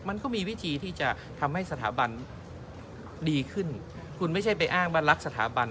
มันก็มีวิธีที่จะทำให้สถาบันดีขึ้นคุณไม่ใช่ไปอ้างว่ารักสถาบัน